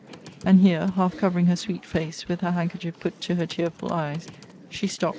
And here (half covering her sweet face, with her handkerchief put to her tearful eyes) she stopt.